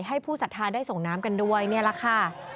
ผู้สัทธาได้ส่งน้ำกันด้วยนี่แหละค่ะ